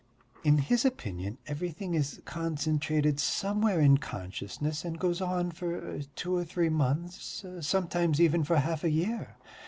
In his opinion everything is concentrated somewhere in consciousness and goes on for two or three months ... sometimes even for half a year....